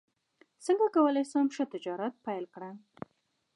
څنګه کولی شم ښه تجارت پیل کړم